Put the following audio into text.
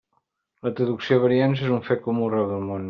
La traducció a variants és un fet comú arreu del món.